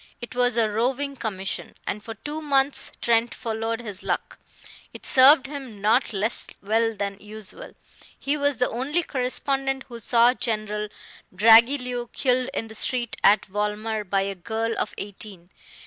It was a roving commission, and for two months Trent followed his luck. It served him not less well than usual. He was the only correspondent who saw General Dragilew killed in the street at Volmar by a girl of eighteen.